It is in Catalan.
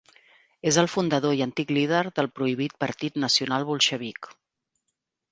És el fundador i antic líder del prohibit Partit Nacional Bolxevic.